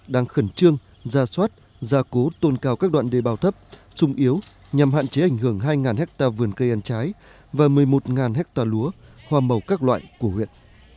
đang khẩn trương gia soát gia cố tôn cao các đoạn đề bào thấp trung yếu nhằm hạn chế ảnh hưởng hai hectare vườn cây ăn trái và một mươi một hectare lúa hoa màu các loại của huyện